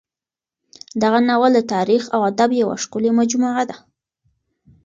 دغه ناول د تاریخ او ادب یوه ښکلې مجموعه ده.